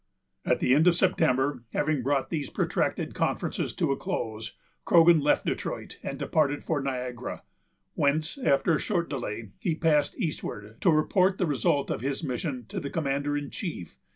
At the end of September, having brought these protracted conferences to a close, Croghan left Detroit, and departed for Niagara, whence, after a short delay, he passed eastward, to report the results of his mission to the commander in chief.